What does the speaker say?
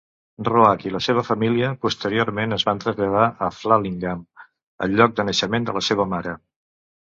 Roach i la seva família posteriorment es van traslladar a Framlingham, el lloc de naixement de la seva mare.